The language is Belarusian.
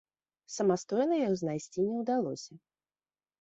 Самастойна яго знайсці не ўдалося.